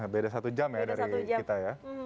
beda satu jam ya dari kita ya